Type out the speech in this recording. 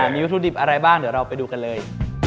มีวัตถุดิบอะไรบ้างเดี๋ยวเราไปดูกันเลย